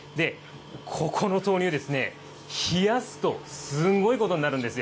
ここの豆乳ですね、冷やすとすごいことになるんですよ。